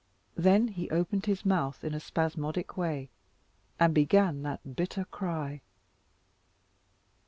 Then he opened his mouth in a spasmodic way, and began that bitter cry.